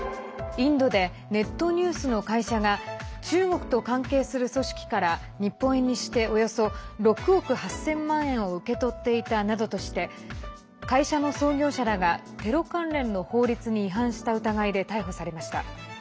インドでネットニュースの会社が中国と関係する組織から日本円にしておよそ６億８０００万円を受け取っていたなどとして会社の創業者らがテロ関連の法律に違反した疑いで逮捕されました。